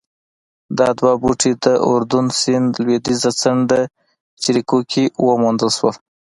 دا دوه بوټي د اردن سیند لوېدیځه څنډه جریکو کې وموندل شول